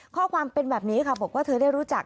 ข้อความเป็นแบบนี้ค่ะบอกว่าเธอได้รู้จัก